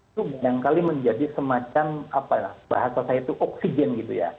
itu barangkali menjadi semacam apa bahasa saya itu oksigen gitu ya